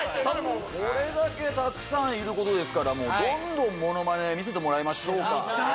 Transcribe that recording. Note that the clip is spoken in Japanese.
これだけたくさんいることですからもうどんどんものまね見せてもらいましょうかやったー！